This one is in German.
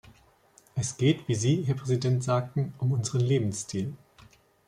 Es geht, wie Sie, Herr Präsident, sagten, um unseren Lebensstil.